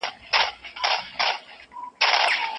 تاسو د خپلو مشاورینو خبرو ته غوږ ونیسئ.